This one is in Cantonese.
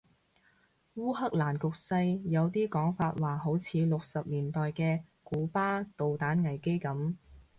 烏克蘭局勢有啲講法話好似六十年代嘅古巴導彈危機噉